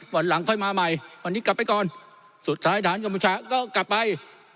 วันหลังค่อยมาใหม่วันนี้กลับไปก่อนสุดท้ายฐานกัมพูชาก็กลับไป